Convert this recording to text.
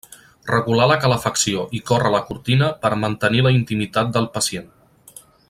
Regular la calefacció i córrer la cortina per a mantenir la intimitat del pacient.